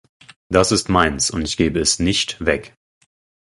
Das ist meins, und ich gebe es nicht weg.